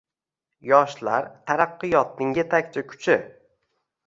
Yoshlar – taraqqiyotning yetakchi kuchi